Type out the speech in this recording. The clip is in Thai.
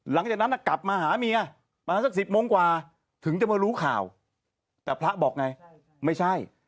หลังจากนั้นกลับมาหาเมียประมาณสัก๑๐โมงกว่าถึงจะมารู้ข่าวแต่พระบอกไงไม่ใช่